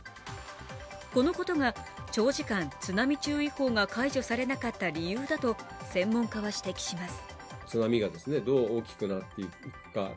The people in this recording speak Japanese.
このことが長時間、津波注意報が解除されなかった理由だと専門家は指摘します